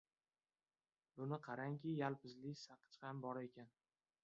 Buni qarangki, yalpizli saqich ham bor ekan.